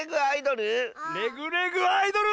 「レグ・レグ・アイドル」？